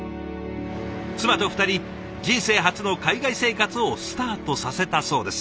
妻と２人人生初の海外生活をスタートさせたそうです。